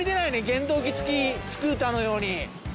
原動機付きスクーターのように。